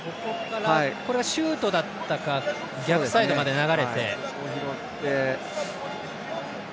これがシュートだったか逆サイドまで流れてここを拾って。